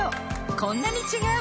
こんなに違う！